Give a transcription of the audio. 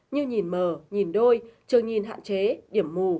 như nhìn mờ nhìn đôi trường nhìn hạn chế điểm mù